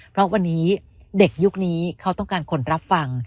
เพราะวันนี้เด็กยุคนี้เขาต้องการคนรับฟัง